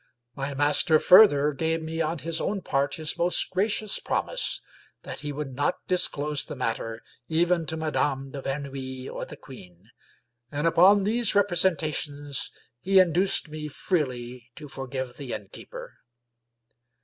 My master further gave me on his own part his most gracious promise that he would not disclose the matter even to Madame de Ver neuil or the queen, and upon these representations he in duced me freely to forgive the innkeeper.